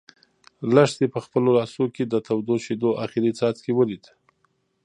لښتې په خپلو لاسو کې د تودو شيدو اخري څاڅکی ولید.